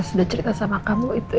sudah cerita sama kamu itu